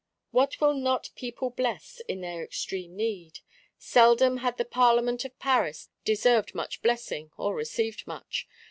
What will not people bless; in their extreme need? Seldom had the Parlement of Paris deserved much blessing, or received much.